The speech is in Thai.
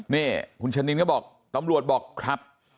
นี่คุณชะนินก็บอกตำรวจบอกครับ